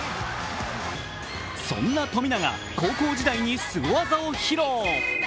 そんな富永、高校時代にすご技を披露。